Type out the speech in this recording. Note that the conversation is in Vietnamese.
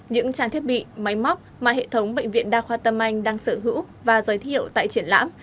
những trang thiết bị máy móc mà hệ thống bệnh viện đa khoa tâm anh đang sở hữu và giới thiệu tại triển lãm